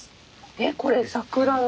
えこれ桜の？